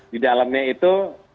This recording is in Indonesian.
di dalamnya itu